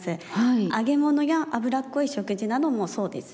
揚げ物や油っこい食事などもそうですね。